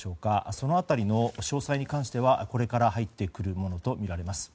その辺りの詳細に関してはこれから入ってくるものとみられます。